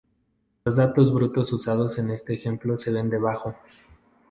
Los datos brutos usados en este ejemplo se ven debajo.